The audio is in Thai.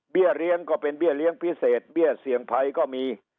เลี้ยงก็เป็นเบี้ยเลี้ยงพิเศษเบี้ยเสี่ยงภัยก็มี